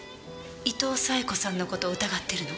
伊東冴子さんの事を疑ってるの？